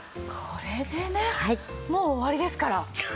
これでねもう終わりですから。